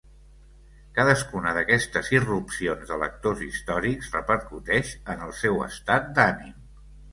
Cadascuna d'aquestes irrupcions de lectors històrics repercuteix en el seu estat d'ànim.